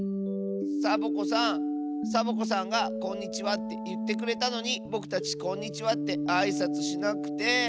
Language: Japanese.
サボ子さんサボ子さんが「こんにちは」っていってくれたのにぼくたち「こんにちは」ってあいさつしなくて。